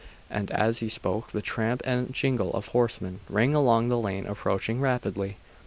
And as he spoke, the tramp and jingle of horsemen rang along the lane, approaching rapidly.